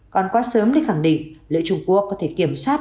còn quá sớm để khẳng định liệu trung quốc có thể kiểm soát